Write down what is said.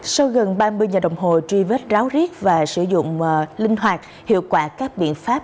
sau gần ba mươi giờ đồng hồ truy vết ráo riết và sử dụng linh hoạt hiệu quả các biện pháp